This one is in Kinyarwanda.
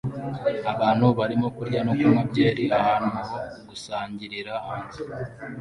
Abantu barimo kurya no kunywa byeri ahantu ho gusangirira hanze